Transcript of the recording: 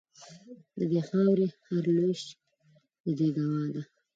د دې خاوري هر لوېشت د دې ګوا ده